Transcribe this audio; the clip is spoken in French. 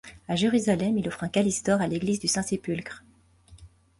À Jérusalem, il offre un calice d'or à l'église du saint-Sépulcre.